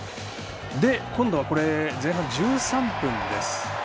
今度は前半１３分です。